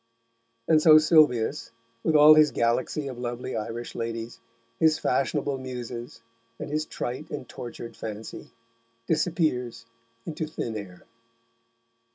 And so Sylvius, with all his galaxy of lovely Irish ladies, his fashionable Muses, and his trite and tortured fancy, disappears into thin air.